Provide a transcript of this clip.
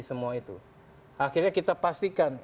semua itu akhirnya kita pastikan